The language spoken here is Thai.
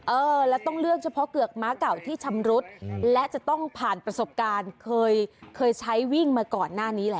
เออแล้วต้องเลือกเฉพาะเกือกม้าเก่าที่ชำรุดและจะต้องผ่านประสบการณ์เคยใช้วิ่งมาก่อนหน้านี้แหละ